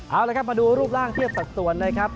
เอาละครับมาดูรูปร่างเทียบสัดส่วนนะครับ